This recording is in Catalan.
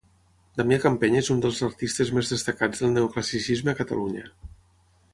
Damià Campeny és un dels artistes més destacats del neoclassicisme a Catalunya.